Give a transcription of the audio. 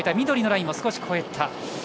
緑のラインを少し越えた。